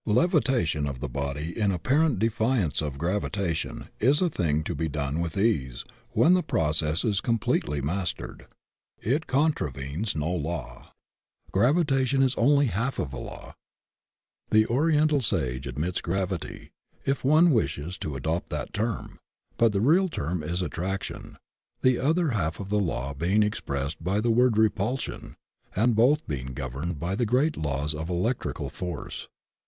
Levitation of the body in apparent defiance of gravitation is a thing to be done with ease when the process is completely mastered. It contravenes no law. Gravitation is only half of a law. The Oriental sage admits gravity, if one wishes to adopt that term; but the real term is attraction, the other half of the law being expressed LAWS OF POLARITY AND COHESION 137 by the word repulsion, and both being governed by the great laws of electrical force.